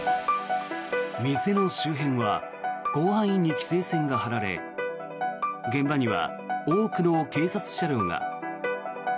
店の周辺は広範囲に規制線が張られ現場には多くの警察車両が。